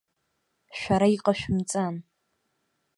Шәара иҟашәымҵан!